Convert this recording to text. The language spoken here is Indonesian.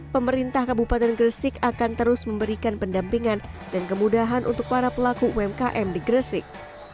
pemerintah kabupaten gresik akan terus memberikan pendampingan dan kemudahan untuk para pelaku umkm di gresik